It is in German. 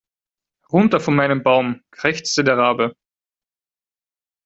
Runter von meinem Baum, krächzte der Rabe.